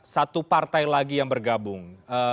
satu partai lagi yang bergabung